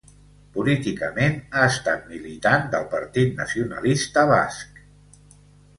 Políticament ha estat militant del Partit Nacionalista Basc.